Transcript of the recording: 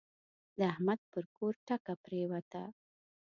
د احمد پر کور ټکه پرېوته.